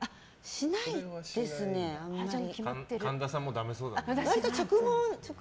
しないですね、あんまり。